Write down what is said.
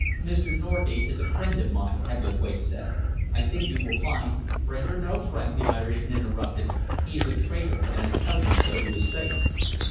"Mr. Norgate is a friend of mine," Hebblethwaite said. "I think you will find " "Friend or no friend," the Irishman interrupted, "he is a traitor, and I tell you so to his face."